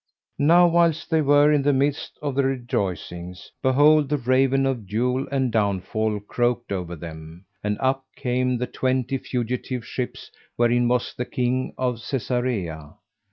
Now whilst they were in the midst of their rejoicings, behold, the raven of dule and downfall croaked over them, and up came the twenty fugitive ships wherein was the King of Cæsarea.